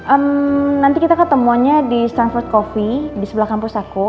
ehm nanti kita ketemuanya di stanford coffee di sebelah kampus aku